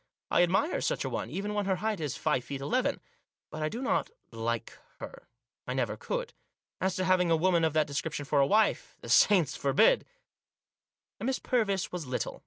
I admire such a one, even when her height is five feet eleven. But I do not like her; I never could. As to having a woman of that description for a wife — the saints forbid 1 Miss Purvis was little.